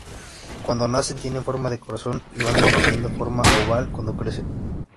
Cuando nacen tienen forma de corazón y van adquiriendo forma oval cuando crecen.